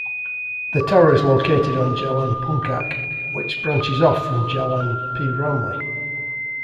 The Tower is located on Jalan Puncak, which branches off from Jalan P. Ramlee.